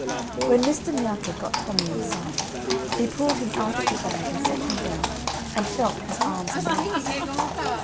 When Mr. Miacca got Tommy inside, he pulled him out of the bag and set him down, and felt his arms and legs.